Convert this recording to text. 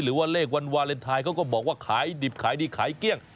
หรือว่าเลขวันวาเลนไทยเขาก็บอกว่าขายดิบขายดีขายเกลี้ยง